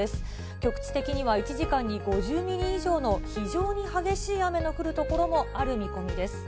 局地的には１時間に５０ミリ以上の非常に激しい雨の降る所もある見込みです。